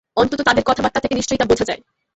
অন্তত তাদের কথাবার্তা থেকে নিশ্চয়ই তা বোঝা যায়।